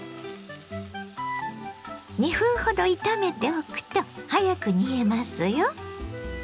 ２分ほど炒めておくと早く煮えますよ。